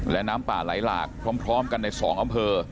และน้ำป่าไหลหลากพร้อมกันใน๒อำเภอ